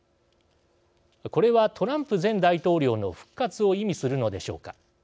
これは、トランプ前大統領の復活を意味するのでしょうか。